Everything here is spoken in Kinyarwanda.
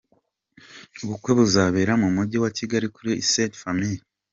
Ubukwe buzabera mu Mujyi wa Kigali kuri Ste Famille.